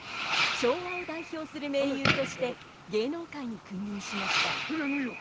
昭和を代表する名優として芸能界に君臨しました。